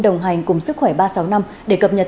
đồng hành cùng sức khỏe ba trăm sáu mươi năm để cập nhật